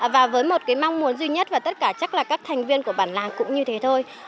và với một cái mong muốn duy nhất và tất cả chắc là các thành viên của bản làng cũng như thế thôi